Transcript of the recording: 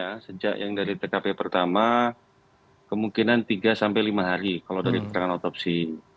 ya sejak yang dari tkp pertama kemungkinan tiga sampai lima hari kalau dari keterangan otopsi